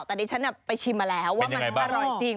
แต่ดิฉันไปชิมมาแล้วว่ามันอร่อยจริง